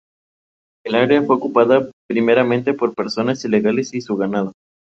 El área fue ocupada primeramente, por personas ilegales y su ganado.